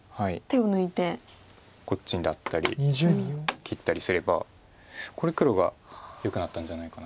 こっちにだったり切ったりすればこれ黒がよくなったんじゃないかな。